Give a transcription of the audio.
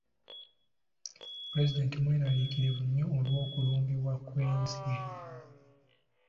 Pulezidenti mweraliikirivu nnyo olw'okulumbibwa kw'enzige.